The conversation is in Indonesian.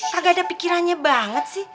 kagak ada pikirannya banget sih